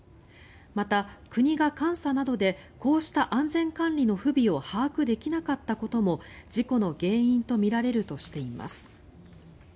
また、国が監査などでこうした安全管理の不備を把握できなかったことも事故の原因とみられるとしています。